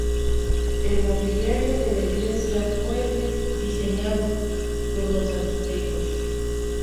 El mobiliario de la iglesia fue diseñado por los arquitectos.